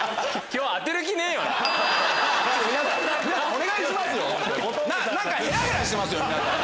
お願いしますよ！